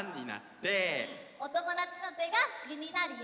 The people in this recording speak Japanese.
おともだちのてがぐになるよ。